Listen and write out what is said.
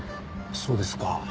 そうですか。